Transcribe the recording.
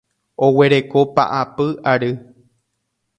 Oguereko paapy ary.